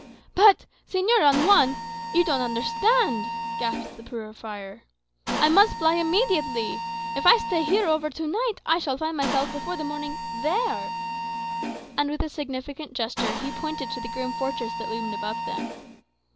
"But, Señor Don Juan, you don't understand," gasped the poor friar. "I must fly immediately. If I stay here over to night I shall find myself before the morning there." And with a significant gesture he pointed to the grim fortress that loomed above them.